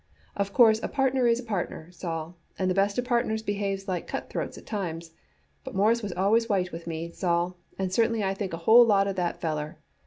Of course a partner is a partner, Sol, and the best of partners behaves like cut throats at times, but Mawruss was always white with me, Sol, and certainly I think a whole lot of that feller.